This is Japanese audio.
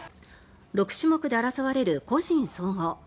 ６種目で争われる個人総合。